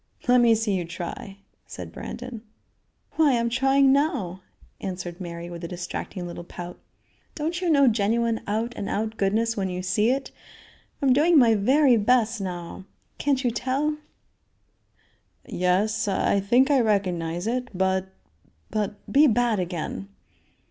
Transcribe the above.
"Let me see you try," said Brandon. "Why, I'm trying now," answered Mary with a distracting little pout. "Don't you know genuine out and out goodness when you see it? I'm doing my very best now. Can't you tell?" "Yes, I think I recognize it; but but be bad again."